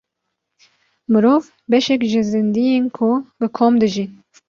Mirov beşek ji zindiyên ku bi kom dijîn.